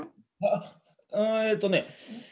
あっえっとね